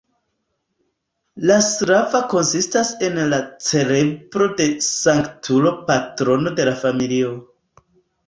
La "slava" konsistas en la celebro de sanktulo patrono de la familio.